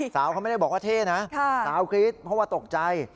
สาวเขาไม่ได้บอกว่าเท่นะสาวกรี๊ดเพราะว่าตกใจ